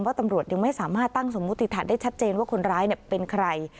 ตำรวจยังไม่สามารถตั้งสมมุติฐานได้ชัดเจนว่าคนร้ายเป็นใคร